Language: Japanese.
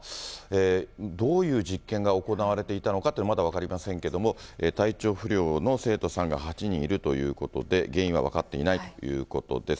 どういう実験が行われていたのかって、まだ分かりませんけども、体調不良の生徒さんが８人いるということで、原因は分かっていないということです。